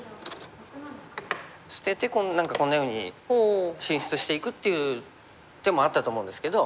捨てて何かこんなように進出していくっていう手もあったと思うんですけど。